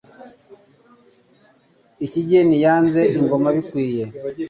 Ikigeni yenze ingoma abikwiye